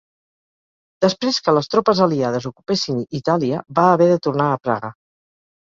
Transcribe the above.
Després que les tropes aliades ocupessin Itàlia, va haver de tornar a Praga.